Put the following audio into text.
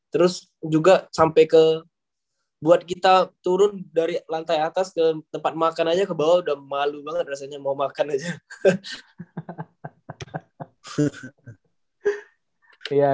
terus juga sampai ke buat kita turun dari lantai atas ke tempat makan aja ke bawah udah malu banget rasanya mau makan aja